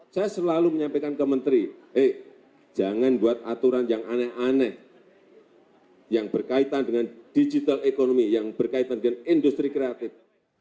saya selalu menyampaikan ke menteri eh jangan buat aturan yang aneh aneh yang berkaitan dengan digital ekonomi yang berkaitan dengan industri kreatif